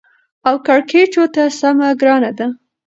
او کېړکیچو ته سمه ګرانه ده.